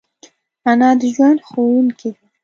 انا د ژوند ښوونکی ده